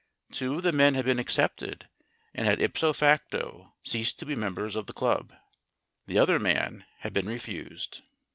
Two of the men had been accepted and had ipso facto ceased to be members of the club. The other man had been refused.